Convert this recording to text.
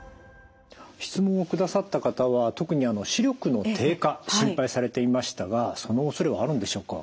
質問をくださった方は特に視力の低下心配されていましたがそのおそれはあるんでしょうか？